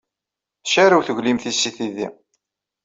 Tcarrew teglimt-is seg tigdi.